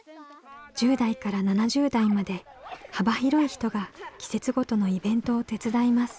１０代から７０代まで幅広い人が季節ごとのイベントを手伝います。